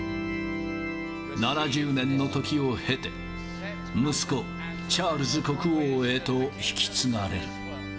７０年の時を経て、息子、チャールズ国王へと引き継がれる。